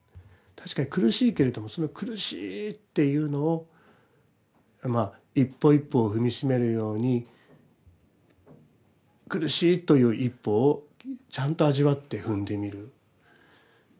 確かに苦しいけれどもその「苦しい」っていうのを一歩一歩を踏み締めるように「苦しい」という一歩をちゃんと味わって踏んでみる。